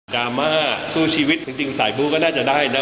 ราม่าสู้ชีวิตจริงสายบู้ก็น่าจะได้นะ